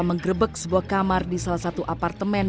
menggrebek sebuah kamar di salah satu apartemen